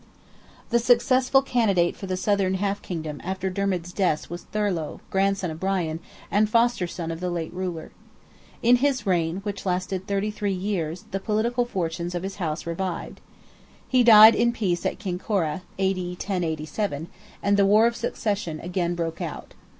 The successful candidate for the southern half kingdom after Dermid's death was Thorlogh, grandson of Brian, and foster son of the late ruler. In his reign, which lasted thirty three years, the political fortunes of his house revived. He died in peace at Kinkora (A.D. 1087), and the war of succession again broke out.